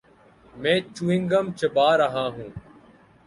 میں chewing gum چبا رہا ہوں۔